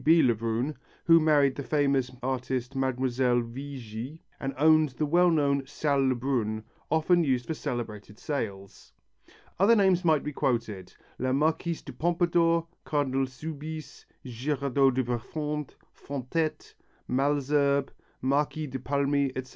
B. Lebrun, who married the famous artist Mlle. Vigëe, and owned the well known Salle Lebrun, often used for celebrated sales. Other names might be quoted, La Marquise de Pompadour, Cardinal Soubise, Girardot de Prefond, Fontette, Malesherbes, Marquis de Paulmy, etc.